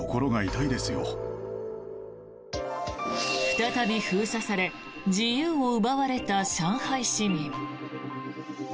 再び封鎖され、自由を奪われた上海市民。